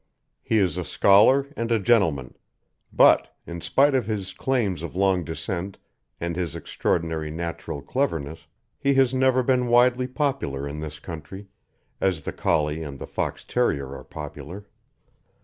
He is a scholar and a gentleman; but, in spite of his claims of long descent and his extraordinary natural cleverness, he has never been widely popular in this country as the Collie and the Fox Terrier are popular.